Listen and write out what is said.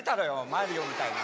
マリオみたいな。